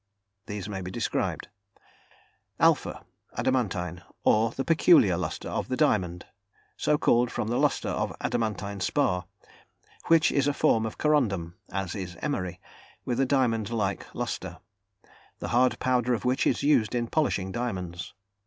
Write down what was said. These may be described: ([alpha]) Adamantine, or the peculiar lustre of the diamond, so called from the lustre of adamantine spar, which is a form of corundum (as is emery) with a diamond like lustre, the hard powder of which is used in polishing diamonds.